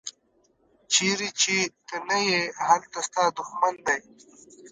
چیرې چې ته نه یې هلته ستا دوښمن دی.